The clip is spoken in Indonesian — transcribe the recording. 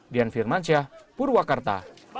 dian firmansyah purwakarta